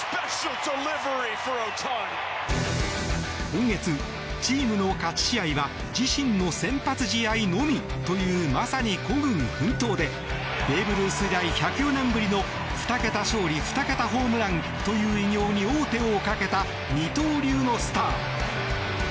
今月、チームの勝ち試合は自身の先発試合のみというまさに孤軍奮闘でベーブ・ルース以来１０４年ぶりの２桁勝利２桁ホームランという偉業に王手をかけた二刀流のスター。